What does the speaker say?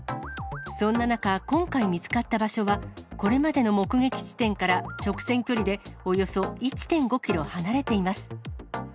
そんな中、今回見つかった場所は、これまでの目撃地点から直線距離でおよそ１．５キロ離れています。